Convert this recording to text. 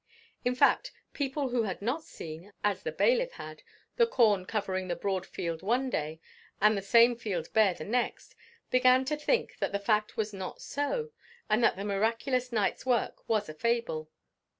In fact people who had not seen, as the bailiff had, the corn covering the broad field one day, and the same field bare the next, began to think that the fact was not so; and that the miraculous night's work was a fable.